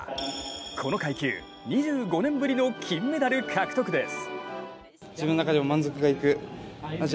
この階級、２５年ぶりの金メダル獲得です。